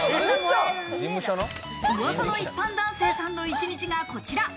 噂の一般人男性さんの１日がこちら。